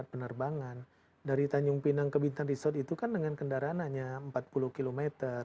penerbangan dari tanjung pinang ke bintan resort itu kan dengan kendaraan hanya empat puluh km